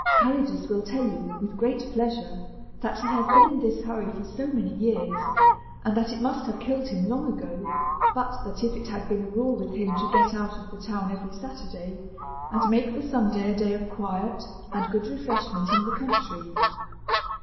Calidus will tell you, with great pleasure, that he has been in this hur ry for so many years, and that it must have killed him long ago, but that it has been a rule with him to get out of the town every Saturday, and make the Sunday a day of quiet and good refreshment in the country.